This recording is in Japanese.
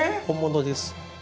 本物です。